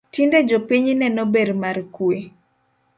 Tinde jopiny neno ber mar kwe